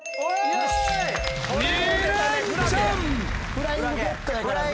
『フライングゲット』やから。